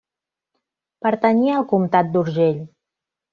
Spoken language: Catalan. Pertanyia al comtat d'Urgell.